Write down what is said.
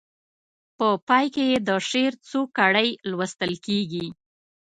په پای کې یې د شعر څو کړۍ لوستل کیږي.